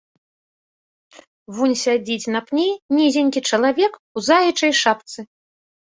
Вунь сядзіць на пні нізенькі чалавек у заячай шапцы.